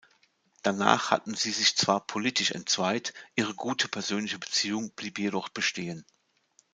Danach hatten sie sich zwar politisch entzweit, ihre gute persönliche Beziehung blieb jedoch bestehen.